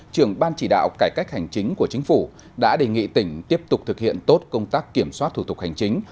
trưởng ban chỉ đạo cải cách hành chính của chính phủ đã đề nghị tỉnh tiếp tục thực hiện tốt công tác kiểm soát thủ tục hành chính